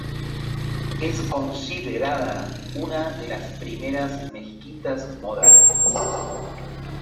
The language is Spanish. Es considerada una de las primeras mezquitas modernas.